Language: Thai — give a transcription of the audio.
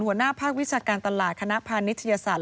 หัวหน้าภาควิชาการตลาดคณะพานิทยาศาสต